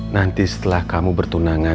nanti setelah kamu bertunangan